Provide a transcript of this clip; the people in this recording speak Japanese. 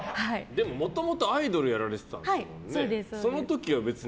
でも、もともとアイドルやられてたんですよね。